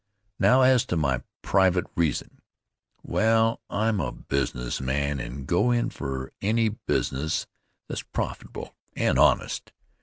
Now, as to my private reason. Well, I'm a business man and go in for any business that's profitable and honest.